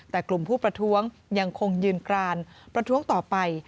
แต่กลุ่มผู้ประท้วงยังคงยืนกรานประท้วงต่อไป